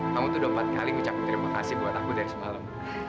kamu tuh udah empat kali ngucapin terima kasih buat aku dari semalam